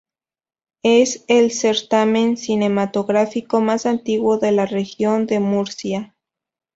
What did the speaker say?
Es el certamen cinematográfico más antiguo de la Región de Murcia.